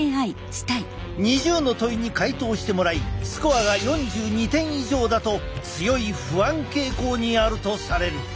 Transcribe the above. ２０の問いに回答してもらいスコアが４２点以上だと強い不安傾向にあるとされる。